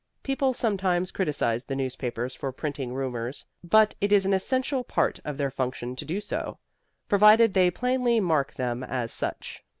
People sometimes criticize the newspapers for printing rumors, but it is an essential part of their function to do so, provided they plainly mark them as such.